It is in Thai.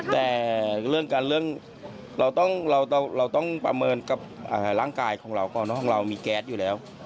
แต่เรื่องการเรื่องเราต้องประเมินกับร่างกายของเรามีแก๊สอยู่แล้ว